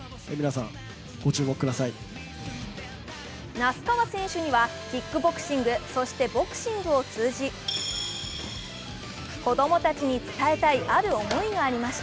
那須川選手にはキックボクシング、そしてボクシングを通じ子供たちに伝えたい、ある思いがありました。